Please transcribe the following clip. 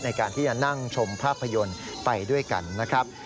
ในการที่จะนั่งชมภาพยนตร์ไปด้วยกันนะครับ